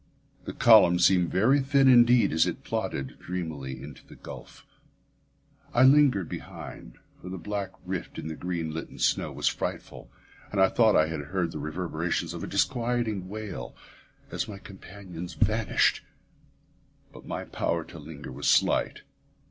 The column seemed very thin indeed as it plodded dreamily into the gulf. I lingered behind, for the black rift in the green litten snow was frightful, and I thought I had heard the reverberations of a disquieting wail as my companions vanished; but my power to linger was slight.